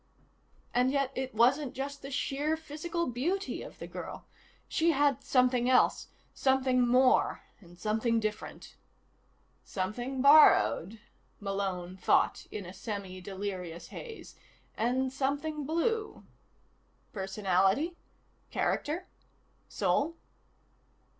And yet, it wasn't just the sheer physical beauty of the girl. She had something else, something more and something different. (Something borrowed, Malone thought in a semidelirious haze, and something blue.) Personality? Character? Soul?